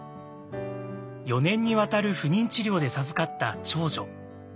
４年にわたる不妊治療で授かった長女。